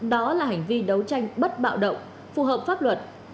đó là hành vi đấu tranh bất bạo động phù hợp pháp luật